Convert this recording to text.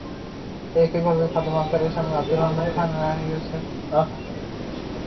একইভাবে ফাতেমা আক্তারের স্বামী আবদুর রহমান খানের আয়-রোজগারে সংসারে অভাব-অনটন লেগেই ছিল।